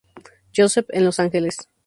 Joseph en Los Angeles.